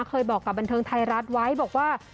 เคยบอกกับบันเทิงไทยรัฐไว้บอกว่า